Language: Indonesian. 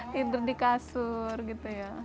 tidur di kasur gitu ya